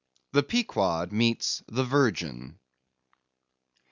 The Pequod Meets The Virgin.